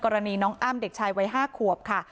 กรณีน้องอ้ำเด็กชายวัย๕ขวบค่ะ